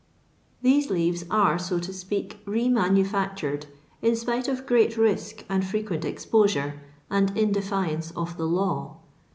These leaves are, so to speak, re niamifiKtared, in spite of great risk and frequent exposure, and in defiance of the kw.